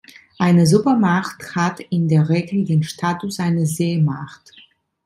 Eine Supermacht hat in der Regel den Status einer Seemacht.